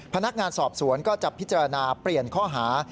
พนักงานสอบสวนก็จะพิจารณาเปลี่ยนข้อหา